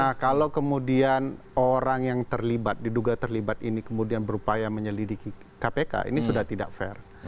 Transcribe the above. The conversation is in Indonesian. nah kalau kemudian orang yang terlibat diduga terlibat ini kemudian berupaya menyelidiki kpk ini sudah tidak fair